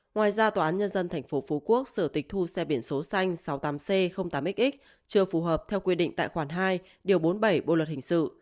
ngoài ra tòa án nhân dân tp phú quốc sở tịch thu xe biển số xanh sáu mươi tám c tám x chưa phù hợp theo quy định tại khoản hai điều bốn mươi bảy bộ luật hình sự